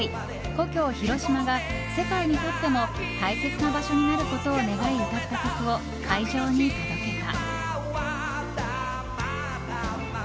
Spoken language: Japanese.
故郷・広島が世界にとっても大切な場所になることを願い歌った曲を会場に届けた。